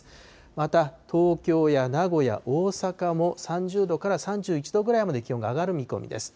また、東京や名古屋、大阪も３０度から３１度ぐらいまで気温が上がる見込みです。